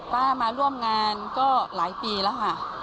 มาร่วมงานก็หลายปีแล้วค่ะ